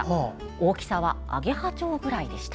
大きさはアゲハチョウくらいでした。